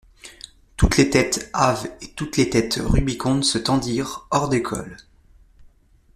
Toutes les têtes hâves et toutes les têtes rubicondes se tendirent hors des cols.